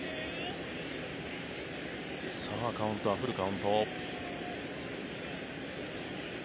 カウントはフルカウント。